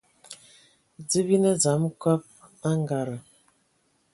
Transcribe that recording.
Dze bi ne dzam kɔb a angada.